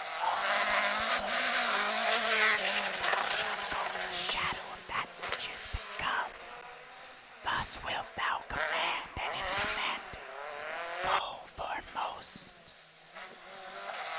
O Zarathustra, thou shalt go as a shadow of that which is to come: thus wilt thou command, and in commanding go foremost."